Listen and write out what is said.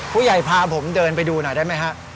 ผู้ใหญ่พาผมเดินไปดูหน่อยได้ไหมคะ